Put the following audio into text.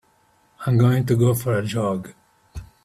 I'm going to go for a jog.